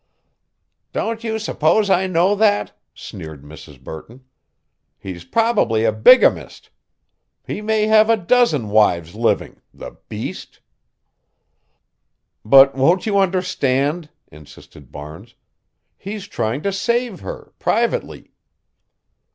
"Don't you suppose I know that," sneered Mrs. Burton. "He's probably a bigamist. He may have a dozen wives living the beast!" "But won't you understand," insisted Barnes. "He's trying to save her, privately."